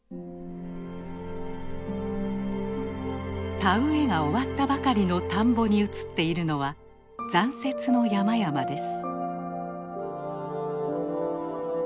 田植えが終わったばかりの田んぼに映っているのは残雪の山々です。